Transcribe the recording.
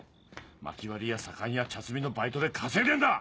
薪割りや左官や茶摘みのバイトで稼いでんだ！